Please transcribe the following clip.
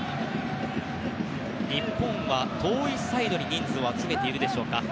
日本は遠いサイドに人数を集めているでしょうか。